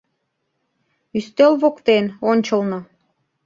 Ӱстел воктен, ончылно